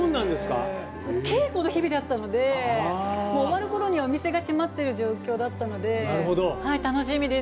稽古の日々だったので終わるころにはお店が閉まってる状況だったので楽しみです。